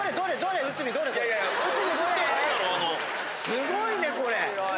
すごいねこれ！